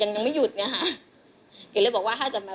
พี่ลองคิดดูสิที่พี่ไปลงกันที่ทุกคนพูด